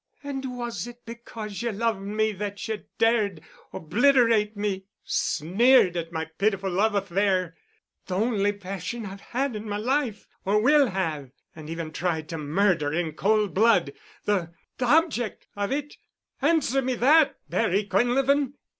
"And was it because you loved me that you dared obliterate me, sneered at my pitiful love affair—the only passion I've had in my life or will have—and even tried to murder in cold blood—the—the object—of it? Answer me that—Barry Quinlevin!"